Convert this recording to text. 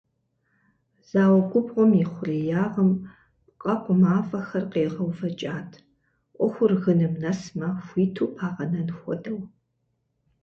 Зауэ губгъуэм и хъуреягъым пкъэкъу мафӏэхэр къегъэувэкӏат, ӏуэхур гыным нэсмэ, хуиту пагъэнэн хуэдэу.